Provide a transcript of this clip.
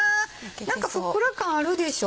何かふっくら感あるでしょ？